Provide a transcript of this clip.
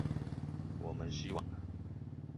我們希望